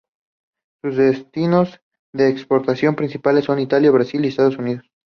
Sus destinos de exportación principales son Italia, Brasil y Estados Unidos.